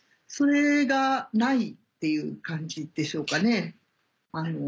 それがないっていう感じでしょうかね。